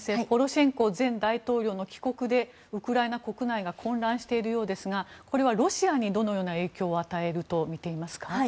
ポロシェンコ前大統領の帰国でウクライナ国内が混乱しているようですがこれはロシアにどのような影響を与えるとみていますか？